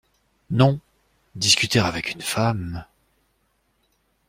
Non ! discuter avec une femme…